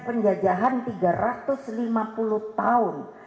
penjajahan tiga ratus lima puluh tahun